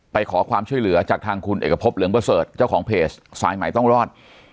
ไปขอความช่วยเหลือจากทางคุณเอกพบเหลืองประเสริฐเจ้าของเพจสายใหม่ต้องรอด